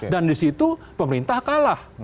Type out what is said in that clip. dan di situ pemerintah kalah